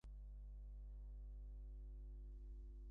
মেজোবউ, এতবড়ো দেমাক সবাইকে সাজে না, কিন্তু ওঁদের কথা আলাদা।